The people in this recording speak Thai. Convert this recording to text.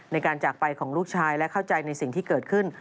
ในการจากไปของลูกชายและเข้าใจในสิ่งที่เกิดขึ้น